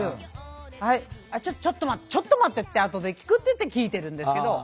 はいちょっと待ってちょっと待って後で聞くって言って聞いてるんですけど。